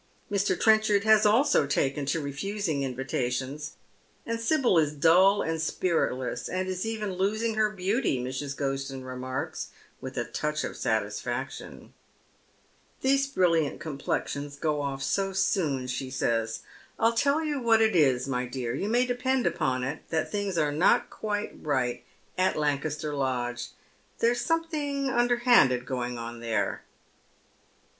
Mr. Trenchard has also taken to refusing invitations, and Sibyl is dull and spiritless, and is even losing her beauty, Mrs. Groshen remarks, with a touch of satisfaction, Q 243 Dead Men's Shoes. "Those brilliant complexions go off so soon," she says. I*n tell you what it is, my dear, you may depend upon it that things are not quite right at Lancaster Lodge. There's something underhanded going on there."